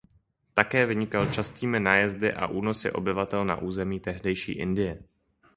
Také vynikal častými nájezdy a únosy obyvatel na území tehdejší Indie.